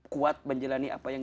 kuat menjalani apa yang